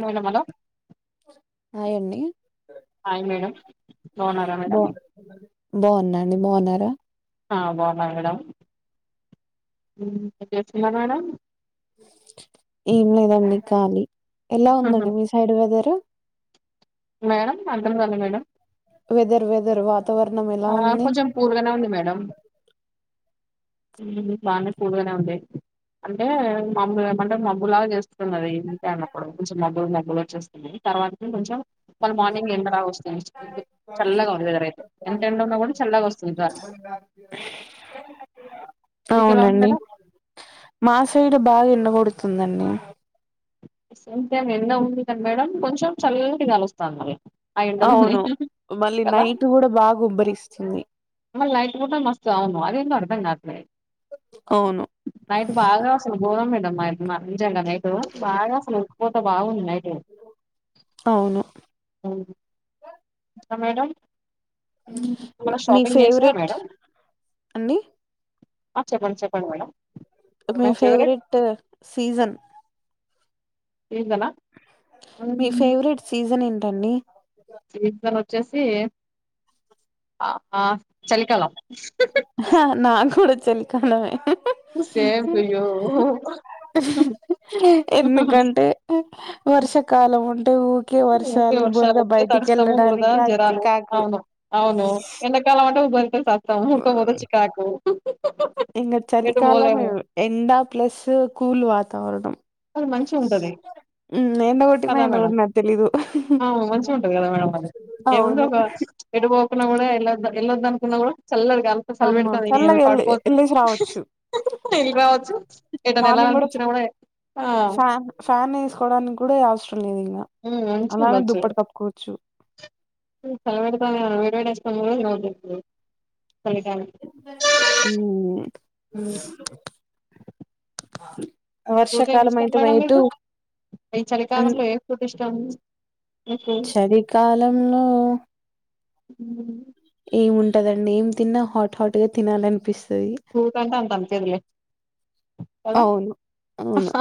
మేడ హాయ్ అండి అలో మేడ పోనా మేడ బాగున్నాండి బాగున్నారా ఆ బాన్నా మేడం ఇంత చేస్తున్నారు మేడం ఏం లేదండి కాళీ ఎలా హుహు. ఉందండి మీ సైడ్ వెదరు మేడం అర్థం కాలే మేడం వెదరు వెదరు వాత ఆ కొంచెం కూల్ గానే ఉంది మేడం బానే కూల్ గానే ఉందే అంటే మబులు ఏమంటే మబ్బులాగా చేస్తున్నది ఇంటనుకుడ కొంచెం మబ్బులు మబ్బులు వచ్చేస్తుంది తర్వాత కొంచెం మళ్ళీ మార్నింగ్ ఎండరా వస్తా చల్లగా ఉంది వెదర్ అయితే ఎంత ఎండ ఉన్నా కూడా చల్లగా వస్తుంది గాలి మీకు ఎలా ఉంది అవునండి మేడం మా సైడ్ బాగా ఎండ కొడుతుందండి సొంతేమ్ ఎండ ఉంది కానీ మేడం కొంచెం చల్లటి గాలొస్తాంది ఆ ఎండలోనే అవును మళ్ళీ కదా నైట్ కూడా బాగా ఉబ్బరిస్తుంది మల్లా నైట్ పూట మస్తు అవును అది ఏంటో అర్థం గాట్లే అవును నైట్ బాగా అసలు గోరం పెట్ [unintelligible] మంచెండలే తో బాగా ఉక్ పోత బాగుంది నైట్ అవును అవు ఆ మేడం మళ్ళ మీ షాపింగ్ చేసినా ఫేవరెట్ మేడం అండి ఆ చెప్పండి చెప్పండి మేడం మీ మై ఫేవరెట్ ఫెవరెట్టు సీజన్ ఎందన్న మీ ఫేవరెట్ సీజన్ ఏందీ దన్ని సీజన్ వచ్చేసి అ ఆ చలికాలం హా నాకూడా చలి హలో సేమ్ టు యూ ఎందుకంటే వర్షాకాలం ఉం ఊకె వర్షాలొచ్చి తడుస్తాము బురద వెళ్ళడానికి ఆ జరాలు చికాకు అవును అవును వెనకాల అటు బో సకుతము చికాకు ఇంగ ఎటు చలికాలమ్ పోలేము ఎండ ప్లస్ కూల్ తడవడం అన్ మంచి ఉంటది ఎండ కొట్టినా కదా ఎండ మేడం కొట్టినట్టు తెలీదు ఆమ్ మంచిగుంటది కదా మేడం ఏముంది అవును ఒక ఎటుపోతున్న కూడా ఎలోద్ ఎల్లోదనుకున్న కూడా చల్లదు కా చల్లి అమ్మ పెెడతాను నే ఏమి చల్లగా ఎళ్ళి పాడుకోవచ్చదు ఎళ్ళేసి రావచ్చు ఇళ కావచ్చు ఎదనాలాలనిపించినా కూడా [unintelligible] ఫ్యాన్ ఫ్యానేసుకోవడానికి కూడా అవసరం లేదు ఇంగ హ్మ్ మంచి అలానే గుండొచ్చు దుప్పటి కప్పుకోవచ్చు చలి పెడతా ఆ [inaudible] ఊ హ్మ్. ఆ ఫ్రూట్ ఏమి ఇష్టం మేడం మీకు ఈ అన్ చలికాలంలో ఏ ఫ్రూట్ ఇష్టం చ [inaudible] చలికాలంలో ఊ ఏం ఉంటదండి ఏం తిన్నా హాట్ హాట్ గా తినాలనిపిస్తుంది నీ కంటా అంతాం చెదిలే కదా అవును అవును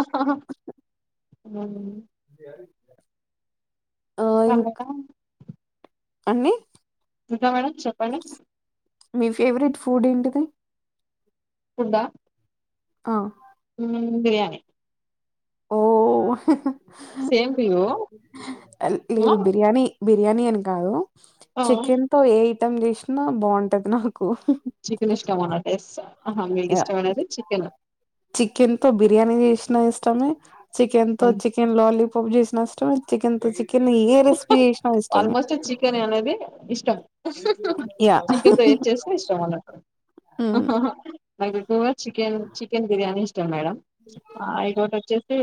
ఉ జ [unintelligible] ఇప్పుండంతా అన్నీ టీక్ హై మేడం చెప్పండి మీ ఫేవరెట్ ఫుడ్ ఏంటిది కుడా ఆ బిర్యాణి ఓ సేమ్ టు యూ లేదు ఆ! బిర్యానీ బిర్యానీ అని కాదు ఆ చికెన్ త ఏ ఇం చేసినా బాగుంటది నాకు చికెన్ ఇష్ కామనా టేస్ ఆ చికెన్ తో బిర్యానీ చేసినైస్ చమే చికెన్ తో చికెన్ లాలి పబ్జీస్ నాష్ట చికెన్ చ ఆల్మోస్ట్ చికెన్ అనేది ఇష్టం యా చికెన్తో ఏడ్ చేస్తే ఇష్టం అన్న ఉమ్ అతే ఎక్కుగా చికెన్ చికెన్ బిర్యానీ ఇష్టం మేడం ఇకోటి వచ్చేసి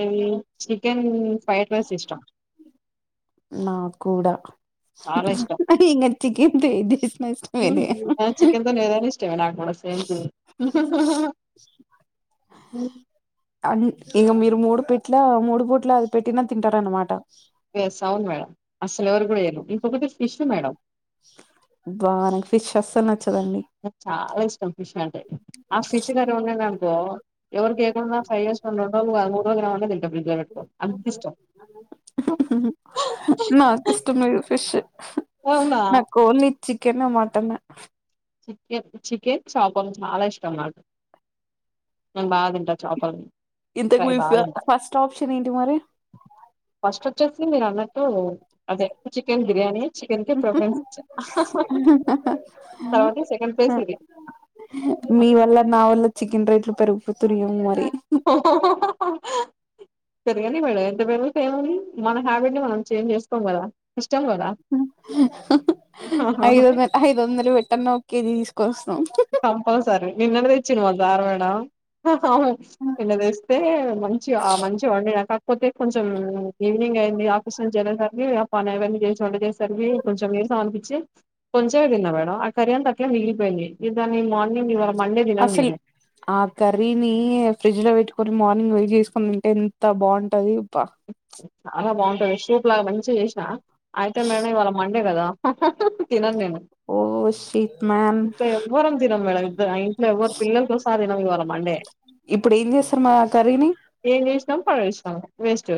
ఏంలీ చికెన్ ఫైట్వాస్ ఇష్టం నాక్కూడా చాలా ఇష్టం ఏది చేసిన ఇష్టమేలే చికెన్ తోనే ఏదైనా ఇష్టమే నాకు కూడా సేమ్ పిన్ ఊ అ నీ ఇగ మీరు మూడు పీట్లా మూడు పూట్లు అది పెట్టినా తింటారనమాట ఎస్ అవును మేడం అస్సలు ఎవరికి కూడా ఎయ్యను ఇంకొకటి ఫిష్ మేడం అబ్బా నాకు ఫిష్ అస్సలలు న నాకు చాలా ఇష్టం ఫిష్ అంటే ఆ ఫిష్ గర్రీ ఉండేదనుకో ఎవరికి ఎయ్యాకుండా ఫ్రై చేసుకొని రెండు రోజలు కాదు మూడు రోజలు దినమన్ త ఫ్రిడ్జ్ లో పెట్టుకొని అంతిష్టం నాకు ఇష్టం లేదు ఫిష్ కెన్ మటనే చికెన్ చికెన్ చాపలు చాలా ఇష్టం నాకు నేను బా తిన్ టా చాపలు ఇంతకు ఫ్రై మీ బా ఫ తింటా ఫస్ట్ ఆప్షన్ ఏంటి మరి ఫస్ట్ వచ్చేసి మీరన్నట్ట్ ఓ అదే చికెన్ బిర్యానీ చికెన్ కే ప్రోగ్రాన్స్ ఇచ్చా మ్ తర్వాత సెకండ్ ప్లేస్ మ్ ఇది మీ వల్ల నా వల్ల చికెన్ రేట్లు పెరుగు [unintelligible] సరేగాని మేడం ఎంత వేరు అయితే ఏముంది మన హ్యాబిట్ ని మనం చేంజ్ చేసుకోం కదా ఇష్టం కదా మ్ ఐ ఐదొ ఐదొందలు పెట్టన్న ఒకే తీస్ కోస్ కంపల్సారి నిన్నటిదే చ్చిను వారు దారు మేడం అవును నిన్న తె తె మంచి ఆ మంచి వండినాక పోతే కొంచెం ఈవినింగ్ అయింది ఆఫీస్ నుంచి వెళ్ళేసరికి ఆ పని అవన్నీ చేసి వంట చేసేవారికి కొంచెం నీరాసం అనిపించి కొంచమే తిన్నా మేడం ఆ కర్రీ అంత అట్లానే మిగిలిపోయింది ఇది అని మార్నింగ్ ఇవ అసలు ఆ కర్రీని ఫ్రిడ్జ్ లో పెట్టు కొని మార్నింగ్ వేడి చేసుకుని తింటే ఎంత బాగుంటది ప్ప చాలా బాగుంటది సూప్ లాగా మంచిగా చేసిన అయితే మేడం ఇవాళ మండే కదా హా హా హా తినను నేను ఓ షిట్ మ్యాన్ ఇప్పుడు ఎవ్వరం తినం మేడం ఇద ఆ ఇంట్లో ఎవ్వరు పిల్లలతో సహా తినమండి ఇవ్వాళ మండే ఇప్పుడు ఏం చేస్తారు మరి ఆ కర్రీని [unintelligible] మొత్తం పడేసిన వేస్ట్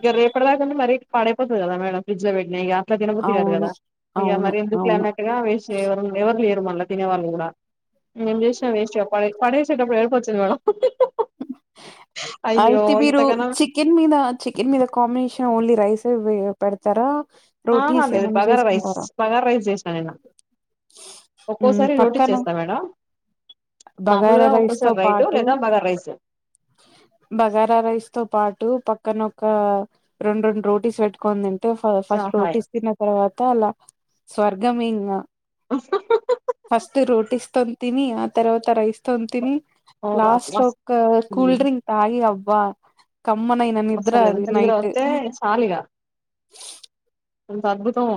ఇక రేపటి దాకా మరీ పడైపోతది కదా మేడం ఫ్రిడ్జ్ లో పెట్టినా ఇకా ఇట్లా దినబుద్ధి కాదు అవును కదా ఇక అవును మరి ఎందుకులే అవును అన్నట్టుగా వెస్ట్ చేయ ఎవరు లేరు మళ్ళా తినే వాళ్ళు కూడా ఏం చేసినా వేస్ట్ ఇగ ప పడేసేటప్పుడు ఏడుపోచ్చుంది మేడం అయ్యో అయితే మీరు ఇంతకనం చికెన్ మీద చికెన్ మీద కాంబినేషన్ ఓన్లీ రైస్ పెడతారా రోటీస్ ఏమన్నా బార రైస్ చేసుకుంటారా? బగార రైస్ చేసా నే హ్మ్. ఒక్కోసారి రోటీ పక్కన చేస్తాను మేడం బగారా మామలుగా రైస్‌తో ఒక్కోసారి రైటు పాటు లేదా బ బగారా రైస్ తో పాటు పక్క క్కనొక్క రెండు రెండు రోటీస్ పెట్టుకోని దిన్ టూ ఫ ఫస్ట్ హాయ్ రోటిస్ తిన్న తర్వా తాల స్వర్గం ఇంగా ఫస్ట్ రోటీస్ త్తం తని ఆ తర్వాత రైస్ త్తం తిని లాస్ట్ లో క కూల్ డ్రింక్ తాగి అబ్ వా కమ్మనైనా అసలు నిద్రాదు ఎంత నిద్ర నైట్ వస్తే కొంత అద్భుతం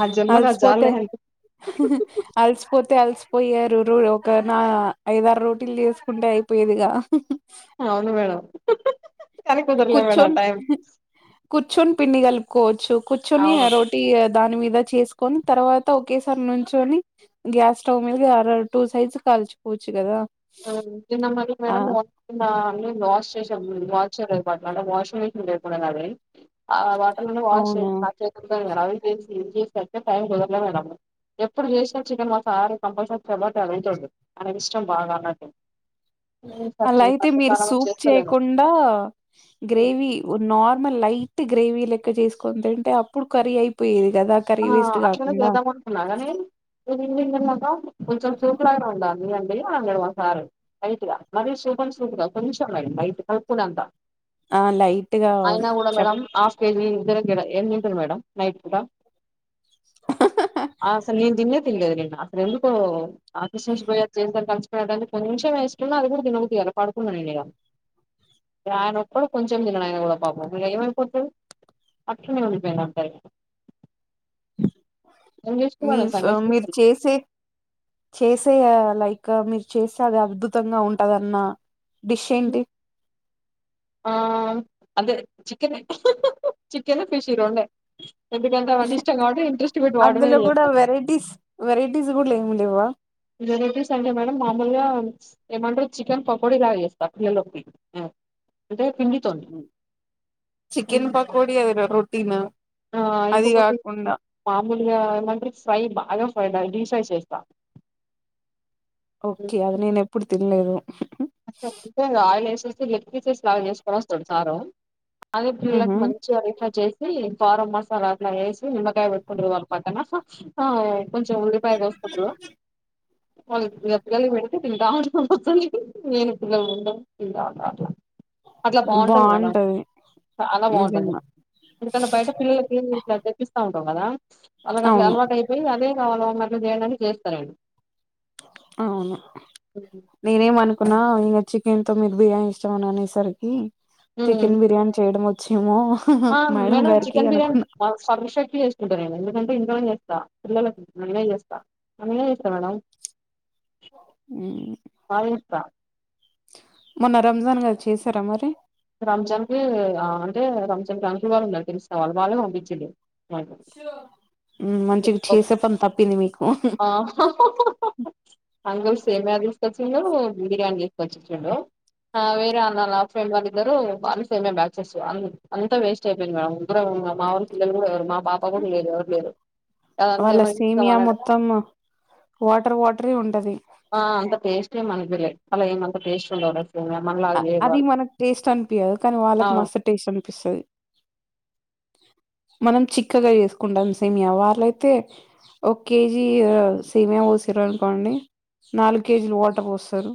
ఆ జన్మకు అది అల్స్పోతే చాల్లే అల్స్పోతే అల్స్పో పోయారు రో ఒక నా ఐదారు రోటీలు చేసుకుంటే అయిపోయేదిగా అవును మేడం కానీ కుదరలే కుచ్చ మేడం టైం కుచ్చను పిన్ని గలి కోచు కుచ్చని అవును రోటీ దాని మీద చేసుకొని, తర్వాత ఒకేసారి నుంచని గ్యాస్ స్టవ్ మీదర టూ సైజస్ కాల్చిపోవచ్చు కదా ఆ నిన్న మరి ఆ మేడం వస్తుందా [unintelligible] రెండు వాష్ చేసిన అవునా చేతులుగానిలే అది చేసి ఇది చేసి టైం కుదరలే, ఎప్పుడు చేసిన చికెన్ మాసారి కంపల్సరీ చబట్టి అది ఉంటదు, అనకి ఇష్టం బాగాన్న అలా అయితే మీరు మధ్యకాలంలో సూప్ చేస్తలేను చేయకుండా గ్రేవీ నార్త్ మ లైట్ గ్రేవీ లెక్క చేసుకుని తింటే అప్పుడు కర్రీ అయిపోయేది కదా కర్రీ ఆ వేస్ట్ అట్లనే కాకుండా చేద్దామని అనుకున్నాగానీ [unintelligible] ఆ లైట్ గా చెప్పు జర గెర ఏం తింటరు మేడమ్ నైట్ పూట అసలు నేను తిన్నే తినలేదు నిన్న అసలు ఎందుకో కుషూ శుభయా చేసేసరికి అలిసిపోయినంటే కొంచెం ఏసుకున్నా అది కూడా తినబుద్ది కాలే పడుకున్నాను నేను ఇగ, ఆయన ఒక్కడు కొంచెం తిన్నాను ఆయన కూడా పాపం ఇగ ఏమైపోతుడు అట్లనే ఉండిపోయాను అంతే. మీన్స్ సండే మీరు స్పెషల్ చేసే చేసే ఆ లై క్ మీరు చేస్తే అది అద్భుతంగా ఉంటదన్న డిష్ ఏంటి ఆ అదే చికెనే చికెన్ ఫిష్ ఇ రొండే ఉహ్మ్ మీద అందులో కూడా చేస్తా వెరైటీస్ వెరైటీస్ కూడా ఏమి లేవా వెరైటీస్ అంటే మేడం మామూలుగా ప్చ్ ఏమంటరు చికెన్ పకోడిలా చేేస్తా పిల్లలోకి అంటే. పిండితోని చికెన్ పకోడి అది రొటీన్ ఆ అది ఇకపోతే కాకుండా మామూలుగా ఏమంటరుఫ్రై బాగా ఫ్రైడ్ అయి. ప్రై చేస్తా ఓకే అది నేను ఎప్పుడు లేదు స విస్లా సార అద పిల్లకి ఉహు మంచి అరిఫ చేస్త ఇ బారం మసాల అట్లా వేసి నిమ్మకాయ పెట్టుకుంటారు వాళ్ళు పక్కన కొంచెం ఉల్లిపాయ కోసుకుంటరు [unintelligible] పిల్లలకి పెడితే తింటావుంటాం నేను పిల్లలు తింటాం తింటా ఉంటాం అట్లా అట్లా బాగుంటంది మేడం బాగుంటది చాలా బాగుంటంది నిజంగా ఎందుకంటే బయట పిల్లలకి ఇట్లా తెప్పిస్తా ఉన్ [unintelligible] అలాగ అట్ల అవును అలవాటు అయిపోయి అదే చాలా [unintelligible] చేస్తా నేను అవును నేనేం అనుకు నా ఇంకా చికెన్ తో మీరు బిర్యానీ ఇష్టమని అనేసరికి ఉమ్ చికెన్ బిర్యానీ చేయడం వచ్ చ్చిమో ఆ నేను చికెన్ బిర్యానీ సఫిషియన్ట్లి చేసుకుంటా నేను ఎందుకంటే [unintelligible] పిల్లలకి నేనే చేస్తా అన్ని చేస్తా మేడం హ్మ్. బయిస్త మొన్న రంజాన్ కదా చేసారా మరి రంజాన్ కి ఆ అంటే రంజాన్ [unintelligible] ఉన్నారు తెలుసా వాళ్ళే పంపించిన్రు ఉమ్ మంచిగా ఒక్- చేసే పని తప్పింది మీకు ఆ అంకుల్ స్ సేమయా తీసుకొచ్చిండు బిర్యానీ తీసుకొచ్చి ఇచ్చిండు వేరే ఆ ఫ్రెండ్ వాళ్ళు ఇద్దరు వాళ్ళ సేమి బ్యాచెస్ అంతా వేస్ట్ అయిపోయింది మేడం ముగ్గురం మా వాళ్ళు పిల్లలు కూడా పాప కూడా లేరు ఎవరు లేరు అదంతా వాళ్ళ ఎవరికి ఇస్తాం సేమియా అన్నట్టుగా మొత్తం వాటర్ వాటరె ఉంటది ఆ అంత టేస్ట్ ఏం అనిపియాలే అలా ఏమంత టేస్ట్ ఉండవు మనలాగా అ చేయరు అది వాళ్ళు మనకు టేస్ట్ అనిపియ్యవు కానీ వాళ్ళకి ఆ! మస్తు టేస్ట్ అన్ పిస్తది మనం చిక్కగా చేసుకుంటాం సేమియా వాళ్ళయితే ఒక కేజీ సేమియా పోసిర్రు అనుకోండి నాలుగు కేజీలు వాటర్ పోస్తరు